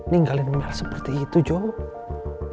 ninggalin merah seperti itu joe